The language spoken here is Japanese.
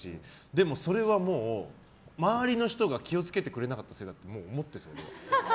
でもそれは周りの人が気を付けてくれなかったせいだと思っているんです。